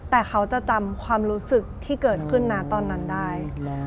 แต่เขาจะจำความรู้สึกที่เกิดขึ้นนะตอนนั้นได้